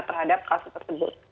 terhadap kasus tersebut